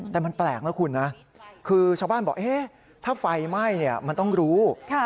แต่มันแปลกนะคุณนะคือชาวบ้านบอกถ้าไฟไหม้มันต้องรู้